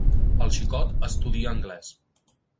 El xicot estudia anglés.